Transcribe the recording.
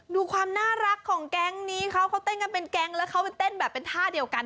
ดูความน่ารักของแก๊งนี้เขาเขาเต้นกันเป็นแก๊งแล้วเขาไปเต้นแบบเป็นท่าเดียวกัน